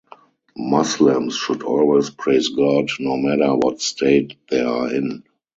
Muslims should always praise God no matter what state they are in.